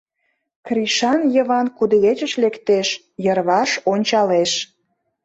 Кришан Йыван кудывечыш лектеш, йырваш ончалеш.